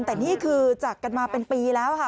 แต่นี่คือจากกันมาเป็นปีแล้วค่ะ